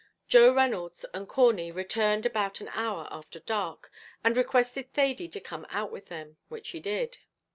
Joe Reynolds and Corney returned about an hour after dark, and requested Thady to come out with them, which he did.